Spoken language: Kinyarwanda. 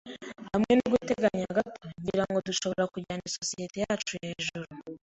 Hamwe noguteganya gato, ngira ngo dushobora kujyana isosiyete yacu hejuru.